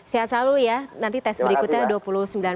sehat selalu ya nanti tes berikutnya